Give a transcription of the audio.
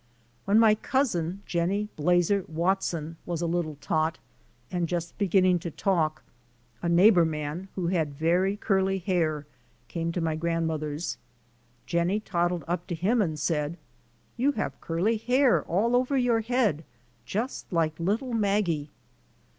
When my cousin, Jennie Blazer Watson, was a little tot and just beginning to talk, a neighbor man, who had very curly hair, came to my grandmother's. Jennie toddled up to him and said, ^'You have curly hair all over your head, just like little Maggie."